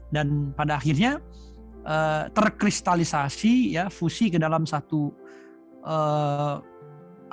dan pada akhirnya terkristalisasi fusi ke dalam satu entitas besar yaitu yang disebut bangsa